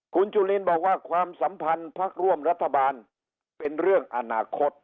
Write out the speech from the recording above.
คุณจุลินบอกว่าความสัมพันธ์พักร่วมรัฐบาลเป็นเรื่องอนาคต